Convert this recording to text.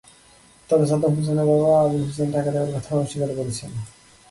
তবে সাদ্দাম হোসেনের বাবা আবুল হোসেন টাকা দেওয়ার কথা অস্বীকার করেছেন।